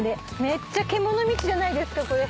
めっちゃ獣道じゃないですかこれ。